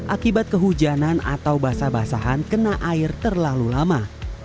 akibat kehujanan atau basah basahan kena air terlalu lama